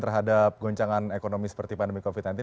terhadap goncangan ekonomi seperti pandemi covid nanti